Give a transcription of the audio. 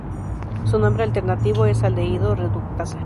Su nombre alternativo es aldehído reductasa.